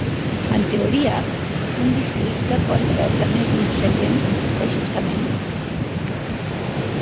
En teoria, un districte pot rebre més d'un seient d'ajustament.